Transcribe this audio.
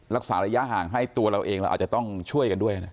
รักษาระยะห่างให้ตัวเราเองเราอาจจะต้องช่วยกันด้วยนะ